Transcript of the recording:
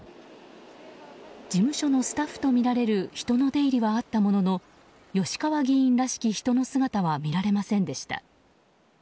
事務所のスタッフとみられる人の出入りはあったものの吉川議員らしき人の姿は見られませんでした。